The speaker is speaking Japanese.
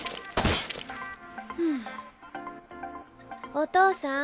お父さん